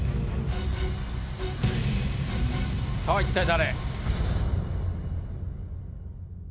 さぁ一体誰？